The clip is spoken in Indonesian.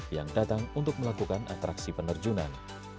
yang datang untuk melakukan atraksi penerjunan